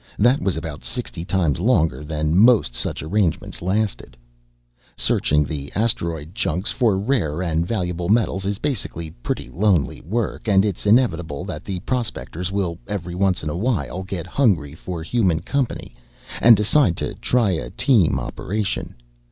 That was about sixty times longer than most such arrangements lasted. Searching the asteroid chunks for rare and valuable metals is basically pretty lonely work, and it's inevitable that the prospectors will every once in a while get hungry for human company and decide to try a team operation.